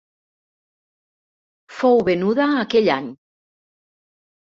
Fou venuda aquell any.